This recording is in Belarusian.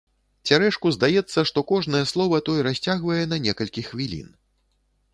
Цярэшку здаецца, што кожнае слова той расцягвае на некалькі хвілін.